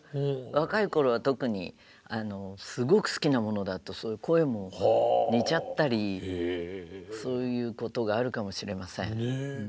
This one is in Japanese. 若い頃は特にすごく好きなものだと声も似ちゃったりそういうことがあるかもしれません。